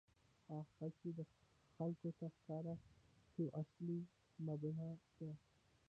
هغه حقیقت چې خلکو ته ښکاره شوی، اصلي مبنا ده.